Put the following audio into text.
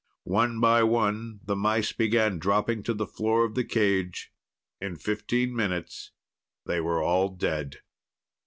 One by one, the mice began dropping to the floor of the cage. In fifteen minutes, they were all dead!